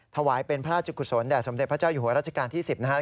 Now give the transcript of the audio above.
ถวายเป็นพระราชกุศลแด่สมเด็จพระเจ้าอยู่หัวราชการที่๑๐นะครับ